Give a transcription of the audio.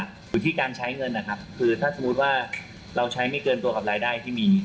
ส่วนที่การใช้เงินถ้าสมมุติว่าใช้ไม่เกินตัวกับรายได้ที่มี